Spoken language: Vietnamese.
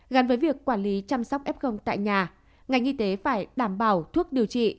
gắn với việc quản lý chăm sóc f tại nhà ngành y tế phải đảm bảo thuốc điều trị